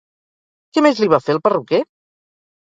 Què més li va fer el perruquer?